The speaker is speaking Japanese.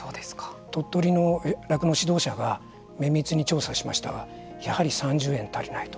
鳥取の酪農指導者が綿密に調査しましたがやはり３０円足りないと。